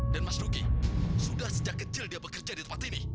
dan mas duki sudah sejak kecil dia bekerja di tempat ini